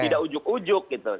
tidak ujuk ujuk gitu